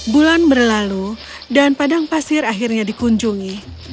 bulan berlalu dan padang pasir akhirnya dikunjungi